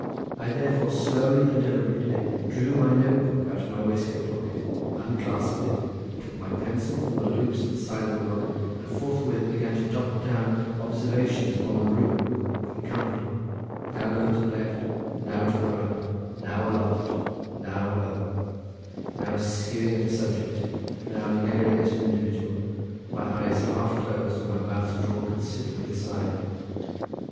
I therefore slowly and deliberately drew my note book out of my waistcoat pocket, unclasped it, took my pencil from the loops at the side of the book, and forthwith began to dot down observations upon the room and company, now looking to the left, now to the right, now aloft, now alow, now skewing at an object, now leering at an individual, my eyes half closed, and my mouth drawn considerably aside.